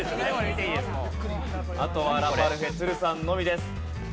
あとはラパルフェ都留さんのみです。